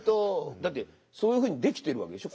だってそういうふうに出来てるわけでしょ？